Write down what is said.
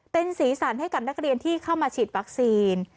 เป็นสีสันให้กับนักเรียนที่เข้ามาฉีดวัคซีน